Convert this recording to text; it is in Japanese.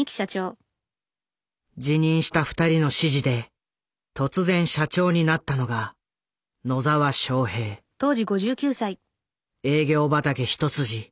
辞任した２人の指示で突然社長になったのが営業畑一筋。